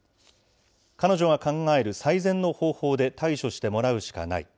彼女が考える最善の方法で対処してもらうしかない。